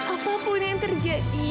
apapun yang terjadi